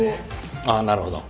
ああなるほど。